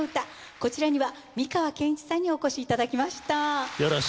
こちらには美川憲一さんにお越しいただきました。